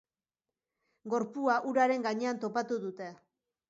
Gorpua uraren gainean topatu dute.